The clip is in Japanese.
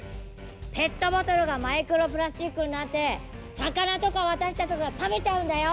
ペットボトルがマイクロプラスチックになって魚とか私たちとかが食べちゃうんだよ！